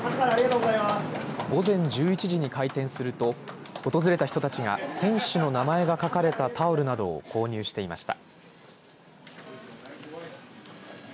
午前１１時に開店すると訪れた人たちが選手の名前が書かれたタオルなどを購入していました。